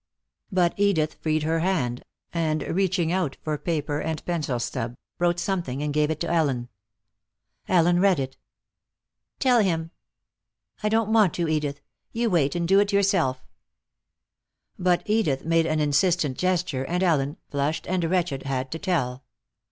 But Edith freed her hand, and reaching out for paper and pencil stub, wrote something and gave it to Ellen. Ellen read it. "Tell him." "I don't want to, Edith. You wait and do it yourself." But Edith made an insistent gesture, and Ellen, flushed and wretched, had to tell.